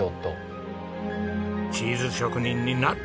チーズ職人になる。